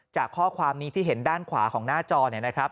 จากข้อความนี้ที่เห็นด้านขวาของหน้าจอเนี่ยนะครับ